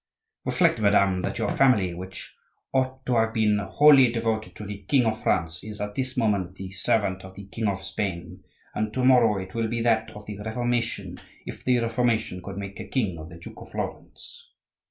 "Reflect, madame, that your family, which ought to have been wholly devoted to the king of France, is at this moment the servant of the king of Spain; and to morrow it will be that of the Reformation if the Reformation could make a king of the Duke of Florence."